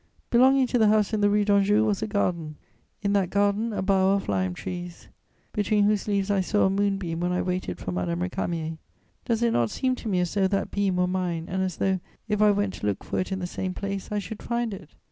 Belonging to the house in the Rue d'Anjou was a garden; in that garden, a bower of lime trees, between whose leaves I saw a moonbeam when I waited for Madame Récamier: does it not seem to me as though that beam were mine and as though, if I went to look for it in the same place, I should find it?